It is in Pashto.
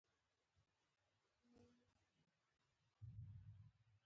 مصنوعي ځیرکتیا د انسان تفکر نقلوي.